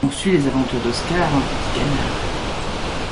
On suit les aventures d'Oscar, un petit canard.